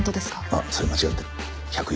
あっそれ間違ってる。